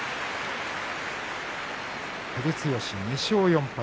照強が２勝４敗。